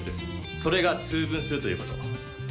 それが「通分」するということ。